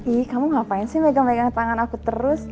ih kamu ngapain sih megang megang tangan aku terus